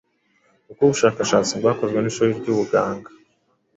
Nkuko ubushakashatsi bwakozwe n’ishuri ry’ubuganga